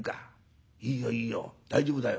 いいよいいよ大丈夫だよ。